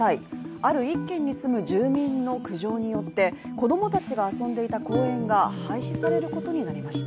ある一軒に住む住民の苦情によって子供たちが遊んでいた公園が廃止されることになりました。